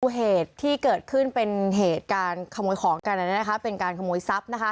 สู่เหตุที่เกิดขึ้นเป็นเหตุการคโมยของเป็นการคโมยทรัพย์